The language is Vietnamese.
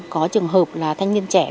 có trường hợp là thanh niên trẻ